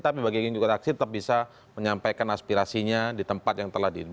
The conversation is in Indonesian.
tapi bagi mereka yang ikut aksi tetap bisa menyampaikan aspirasinya di tempat yang telah di